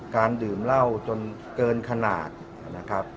ดื่มเหล้าจนเกินขนาดนะครับ